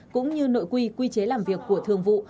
cũng như nội quy quy chế làm việc của thường vụ